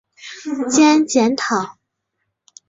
兼检讨。